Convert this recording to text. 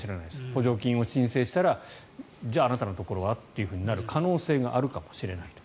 補助金を申請したらじゃあ、あなたのところはとなる可能性があるかもしれない。